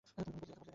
ওহ, তুমি বদলে গেছ।